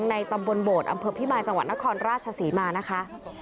ในตำบลโบดอำเภอพิมายจังหวัดนครราชศรีมานะคะ